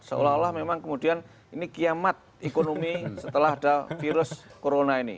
seolah olah memang kemudian ini kiamat ekonomi setelah ada virus corona ini